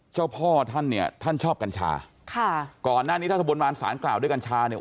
เจ้าพ่อท่านเนี่ยท่านชอบกัญชาค่ะก่อนหน้านี้ถ้าขบวนวานสารกล่าวด้วยกัญชาเนี่ย